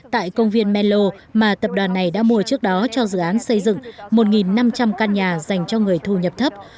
tại công viên menlo mà tập đoàn này đã mua trước đó cho dự án xây dựng một năm trăm linh căn nhà dành cho người thu nhập thấp